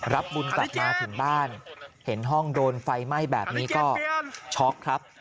รับบุญกลับมาถึงบ้านเห็นห้องโดนไฟไหม้แบบนี้ก็ช็อกครับ